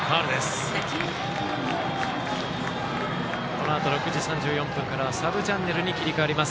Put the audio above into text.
このあと６時３４分からはサブチャンネルに切り替わります。